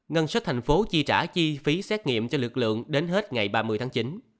ngân sách thành phố chi trả chi phí xét nghiệm cho lực lượng đến hết ngày ba mươi tháng chín